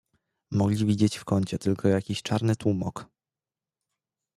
"Mogli widzieć w kącie tylko jakiś czarny tłumok."